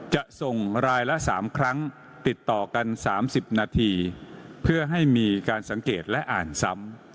จะส่งรายละ๓ครั้งติดต่อกัน๓๐นาทีเพื่อให้มีการสังเกตและอ่านซ้ำ